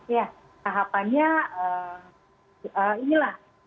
ya tahapannya inilah